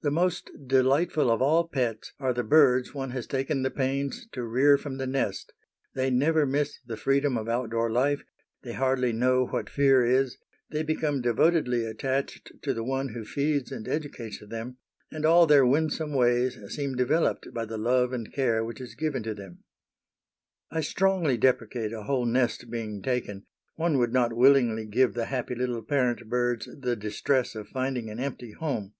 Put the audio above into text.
The most delightful of all pets are the birds one has taken the pains to rear from the nest; they never miss the freedom of outdoor life, they hardly know what fear is, they become devotedly attached to the one who feeds and educates them, and all their winsome ways seem developed by the love and care which is given to them. I strongly deprecate a whole nest being taken; one would not willingly give the happy little parent birds the distress of finding an empty home.